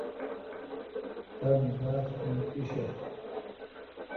تا باستھین پیشو۔